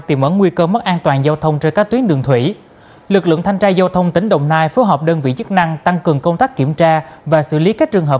tìm ấn nguy cơ mất an toàn giao thông trên các tuyến đường thủy